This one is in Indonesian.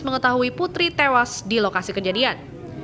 mengetahui putri tewas di lokasi kejadian